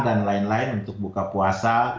dan lain lain untuk buka puasa